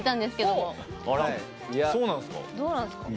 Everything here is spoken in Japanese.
どうなんすか？